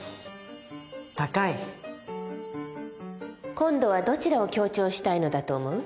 今度はどちらを強調したいのだと思う？